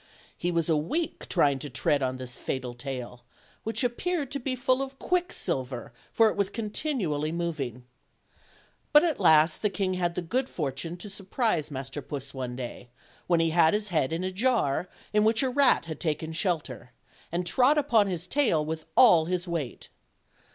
He was a week trying to tread on this fatal tail, which appeared to be full of quicksilver, for it was continually moving. But at last the king had the good fortune to surprise Master Puss one day, when he had his head in a jar in which a rat had taken shelter, and trod upon his tail with all his weight.